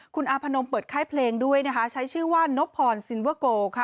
คุณอาพนมเปิดไข้เพลงด้วยใช้ชื่อว่านบพรซิลเวอร์โก